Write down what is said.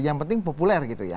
yang penting populer gitu ya